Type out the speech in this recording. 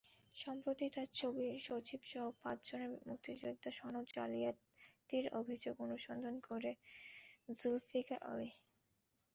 সম্প্রতি চার সচিবসহ পাঁচজনের মুক্তিযোদ্ধা সনদ জালিয়াতির অভিযোগ অনুসন্ধান করেন জুলফিকার আলী।